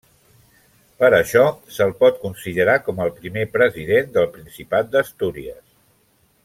Per això se'l pot considerar com el Primer President del Principat d'Astúries.